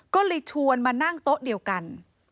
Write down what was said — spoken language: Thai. ก็เลยชวนมานั่งโต๊ะเดียวกัน